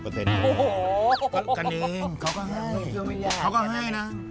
กันเองเขาก็ให้เขาก็ให้นะ